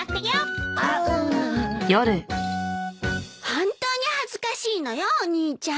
本当に恥ずかしいのよお兄ちゃん。